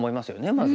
まず。